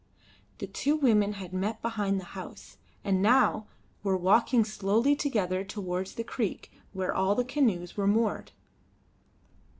The two women had met behind the house, and now were walking slowly together towards the creek where all the canoes were moored.